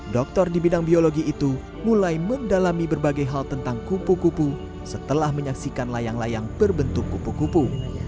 doktor di bidang biologi itu mulai mendalami berbagai hal tentang kupu kupu setelah menyaksikan layang layang berbentuk kupu kupu